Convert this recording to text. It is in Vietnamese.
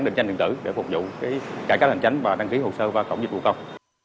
định tranh điện tử để phục vụ cải cách hành tránh và đăng ký hồ sơ và cộng dịch vụ công